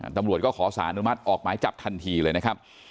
ตำรวจก็ขอสารอนุมัติออกหมายจับทันทีเลยนะครับ